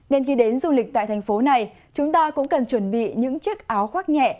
nên khi đến du lịch tại thành phố này chúng ta cũng cần chuẩn bị những chiếc áo khoác nhẹ